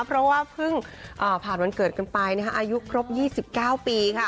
เพราะว่าเพิ่งผ่านวันเกิดกันไปอายุครบ๒๙ปีค่ะ